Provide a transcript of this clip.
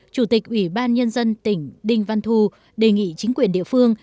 chủ tịch ủy ban nhân dân tỉnh đinh văn thu đề nghị chính quyền địa phương